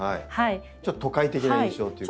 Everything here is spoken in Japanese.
ちょっと都会的な印象というか。